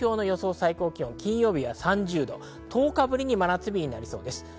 最高気温３０度、１０日ぶりに真夏日になりそうです。